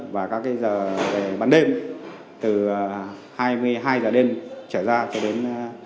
và các cái giờ bán đêm từ hai mươi hai giờ đêm trở ra cho đến